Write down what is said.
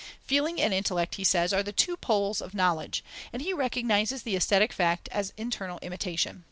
Feeling and intellect, he says, are the two poles of knowledge, and he recognizes the aesthetic fact as internal imitation.